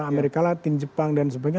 amerika latin jepang dan sebagainya